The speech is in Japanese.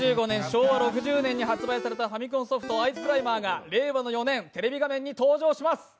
１９８５年、昭和６０年に発売された「アイスクライマー」が令和４年、テレビ画面に登場します。